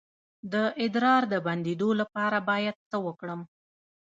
د ادرار د بندیدو لپاره باید څه وکړم؟